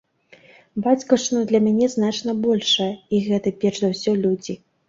Бацькаўшчына для мяне значна большая, і гэта перш за ўсё людзі.